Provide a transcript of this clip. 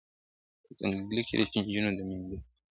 په ځنګله کي د چینجیو د میندلو !.